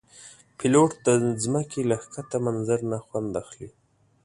پیلوټ د ځمکې له ښکته منظر نه خوند اخلي.